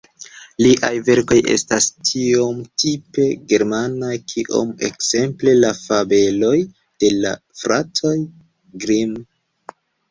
Liaj verkoj estas tiom tipe germanaj kiom ekzemple la fabeloj de la fratoj Grimm.